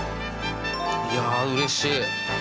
いやうれしい。